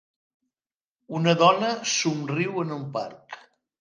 Una dona somriu en un parc.